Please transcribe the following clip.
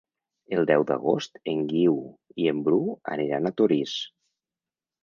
El deu d'agost en Guiu i en Bru aniran a Torís.